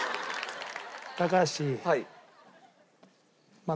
高橋。